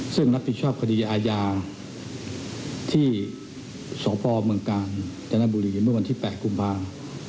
ซึ่งรับผิดชอบคดีอาญาที่สพเมืองกาญจนบุรีเมื่อวันที่๘กุมภา